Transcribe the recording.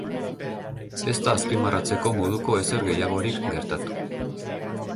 Ez da azpimarratzeko moduko ezer gehiagorik gertatu.